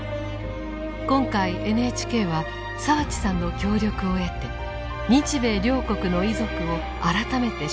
今回ＮＨＫは澤地さんの協力を得て日米両国の遺族を改めて取材。